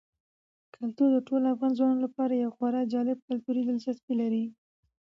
کلتور د ټولو افغان ځوانانو لپاره یوه خورا جالب کلتوري دلچسپي لري.